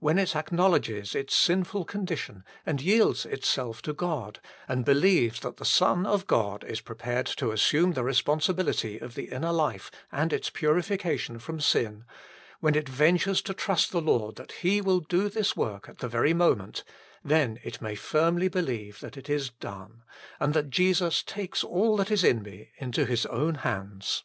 When it acknowledges its sinful condition and yields itself to God, and believes that the Son of God is prepared to 1 Rom. viii. 37. HOW IT IS TO BE FOUND BY ALL 161 assume the responsibility of the inner life and its purification from sin ; when it ventures to trust the Lord that He will do this work at the very moment ; then it may firmly believe that it is done, and that Jesus takes all that is in me into His own hands.